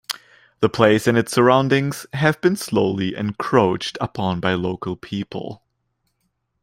The place and its surroundings have been slowly encroached upon by local people.